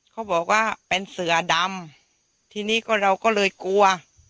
เขาบอกว่าเป็นเสือดำทีนี้ก็เราก็เลยกลัว